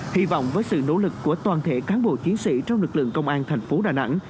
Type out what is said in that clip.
hy vọng với sự nỗ lực của toàn thể cán bộ chiến sĩ trong lực lượng công an thành phố đà nẵng